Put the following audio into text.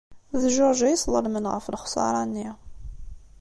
D George ay sḍelmen ɣef lexṣara-nni.